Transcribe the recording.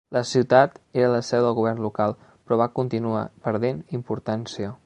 La ciutat era la seu del govern local, però va continuar perdent importància.